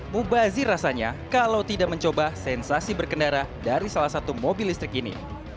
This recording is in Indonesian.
mubazir rasanya kalau tidak mencoba sensasi berkendara dari salah satu mobil listrik ini